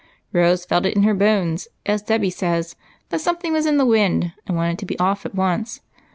"Rose felt it in her bones, as Dolly says, that some thing was in the wind, and wanted to be off at once.